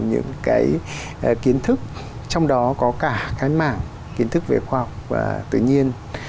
những cái kiến thức trong đó có cả cái mảng kiến thức về khoa học tự nhiên